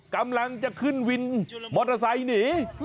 กำลังจะขึ้นวินมอเตอร์ไซค์หนี